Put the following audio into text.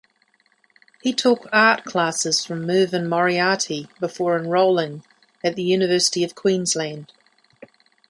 He took art classes from Mervin Moriarty before enrolling at the University of Queensland.